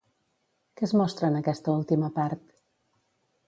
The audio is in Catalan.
Què es mostra en aquesta última part?